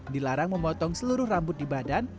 dilarang memotong seluruh rambut di badan